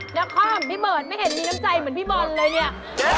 นครพี่เบิร์ตไม่เห็นมีน้ำใจเหมือนพี่บอลเลยเนี่ย